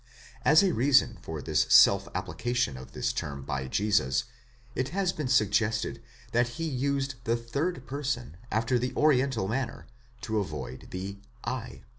As a reason for the self application of this term by Jesus, it has been sug gested that he used the third person after the oriental manner, to avoid the Z.